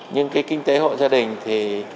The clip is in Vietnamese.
nhưng cái kinh tế hộ gia đình thì